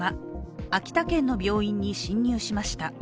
秋田県の病院に侵入しました。